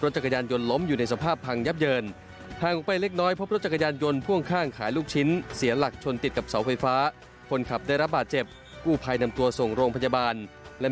ติดตามจากรายงานค่ะ